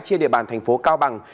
trên địa bàn thành phố cao bằng